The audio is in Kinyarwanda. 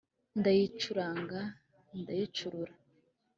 Ndayicuranga ndayicurura